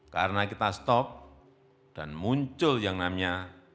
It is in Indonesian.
karena kita stop dan muncul yang namanya